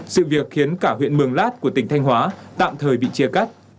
sự việc khiến cả huyện mường lát của tỉnh thanh hóa tạm thời bị chia cắt